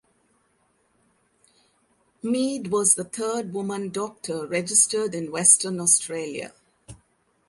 Mead was the third woman doctor registered in Western Australia.